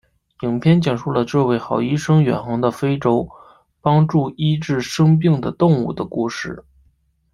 影片讲述了这位好医生远航到非洲帮助医治生病的动物的故事。